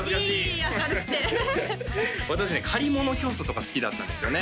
いい明るくて私ね借り物競走とか好きだったんですよね